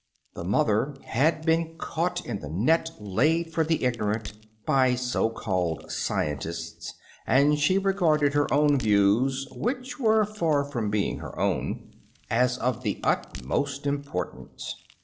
The mother had been caught in the net laid for the ig norant, by so called scientists, and she re garded her own views (which were far from being her own) as of the utmost impor tance.